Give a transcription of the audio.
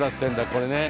これね。